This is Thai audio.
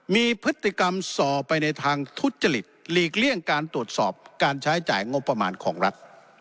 มีพฤติกรรมส่อไปในทางทุจริตหลีกเลี่ยงการตรวจสอบการใช้จ่ายงบประมาณของรัฐ